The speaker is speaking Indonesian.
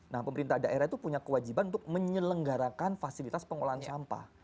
nah pemerintah daerah itu punya kewajiban untuk menyelenggarakan fasilitas pengolahan sampah